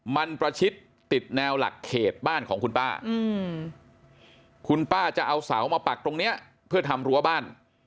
มันประชิดติดแนวหลักเขตบ้านของคุณป้าคุณป้าจะเอาเสามาปักตรงเนี้ยเพื่อทำรั้วบ้าน